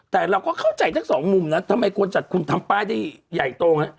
แต่เราก็เข้าใจทั้งสองมุมนะทำไมควรจัดคุณทำป้ายได้ใหญ่โตฮะ